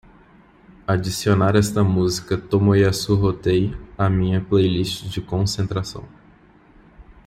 Adicionar esta música tomoyasu hotei à minha playlist de concentração